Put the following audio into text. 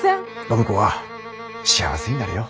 暢子は幸せになれよ。